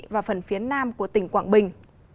và phần phía nam của tỉnh quảng bình